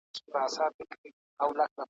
په سلو کي سل توافق موجود وي `